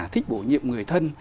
thích bổ nhiệm người thân